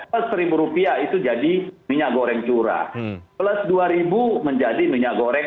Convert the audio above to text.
plus rp satu itu jadi minyak goreng curah plus rp dua menjadi minyak goreng